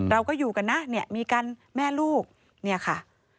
เราก็อยู่กันนะเนี่ยมีกันแม่ลูกเนี่ยค่ะ